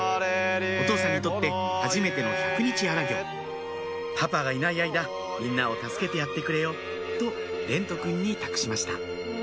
お父さんにとってはじめての百日荒行「パパがいない間みんなを助けてやってくれよ」と蓮和くんに託しました